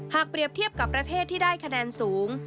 เปรียบเทียบกับประเทศที่ได้คะแนนสูง